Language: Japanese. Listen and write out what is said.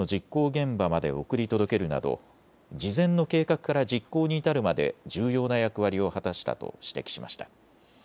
現場まで送り届けるなど、事前の計画から実行に至るまで重要な役割を果たしたと指摘しました。